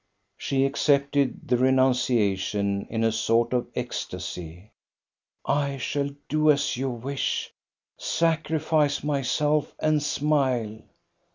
" She accepted the renunciation in a sort of ecstasy. " I shall do as you wish, — sacrifice myself and smile."